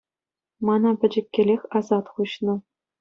Мана пӗчӗккӗлех асат хуҫнӑ.